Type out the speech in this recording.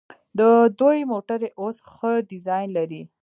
د دوی موټرې اوس ښه ډیزاین لري.